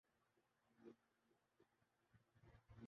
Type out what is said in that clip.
اس سوال کا تعلق کسی کی فتح و شکست سے بھی نہیں ہے۔